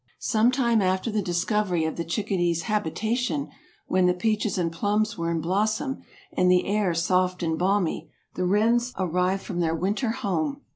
Some time after the discovery of the chickadees' habitation, when the peaches and plums were in blossom and the air soft and balmy the wrens arrived from their winter home.